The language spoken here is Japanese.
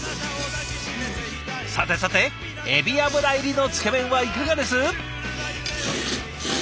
さてさてエビ油入りのつけ麺はいかがです？